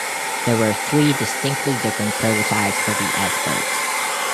There were three distinctly different prototypes for the S-boats.